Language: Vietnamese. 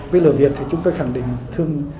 với lờ việt thì chúng tôi khẳng định